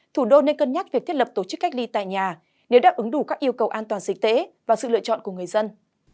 thủ đô nên cân nhắc việc thiết lập tổ chức cách ly tại nhà nếu đáp ứng đủ các yêu cầu an toàn dịch tễ và sự lựa chọn của người dân